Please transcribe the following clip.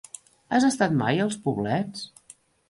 Has estat mai als Poblets?